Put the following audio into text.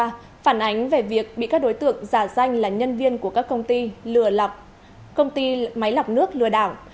phản ánh về việc bị các đối tượng giả danh là nhân viên của các công ty máy lọc nước lừa đảo